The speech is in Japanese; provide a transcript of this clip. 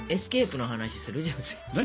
何？